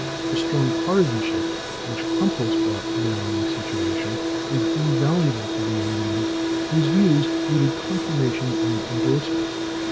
The strong partisanship which Krumpholz brought to bear on the situation, was invaluable to the young man, whose views needed confirmation and indorsement.